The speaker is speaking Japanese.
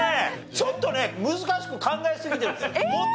ちょっとね難しく考えすぎてるって。